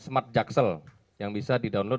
smart jaksel yang bisa didownload